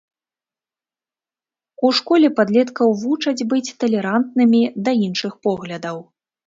У школе падлеткаў вучаць быць талерантнымі да іншых поглядаў.